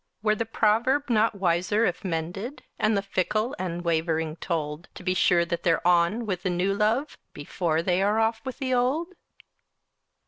Were the proverb not wiser if mended, And the fickle and wavering told To be sure they're on with the new love Before they are off with the old?